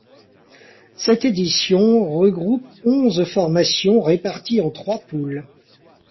Cette édition regroupe onze formations réparties en trois poules.